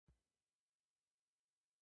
光陰矢のごとし